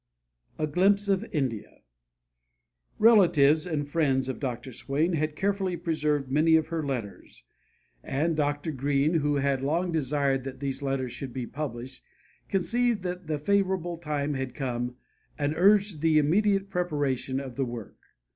"A GLIMPSE OF INDIA" Relatives and friends of Dr. Swain had carefully preserved many of her letters; and Dr. Greene, who had long desired that these letters should be published, conceived that the favorable time had come and urged the immediate preparation of the work.